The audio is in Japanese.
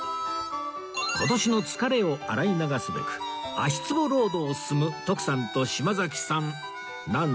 今年の疲れを洗い流すべく足つぼロードを進む徳さんと島崎さんなんですが